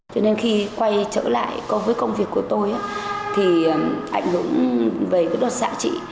cho nên khi quay trở lại với công việc của tôi thì ảnh hưởng về đột dạ trị